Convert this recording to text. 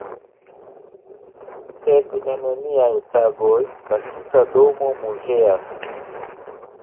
Sed en niaj tagoj la tuta domo muzeas.